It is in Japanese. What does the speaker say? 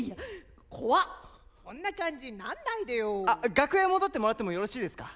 楽屋へ戻ってもらってもよろしいですか。